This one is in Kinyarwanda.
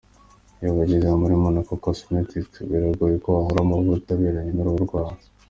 Iyo wageze muri Monaco Cometics, biragoye ko wahabura amavuta aberanye n'uruhu rwawe.